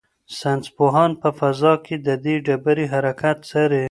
ساینس پوهان په فضا کې د دې ډبرې حرکت څاري.